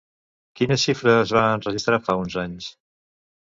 Quina xifra es va enregistrar fa onze anys?